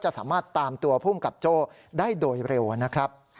สามารถตามตัวภูมิกับโจ้ได้โดยเร็วนะครับ